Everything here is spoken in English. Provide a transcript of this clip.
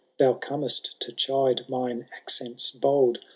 Thou comest to chide mine accents bold.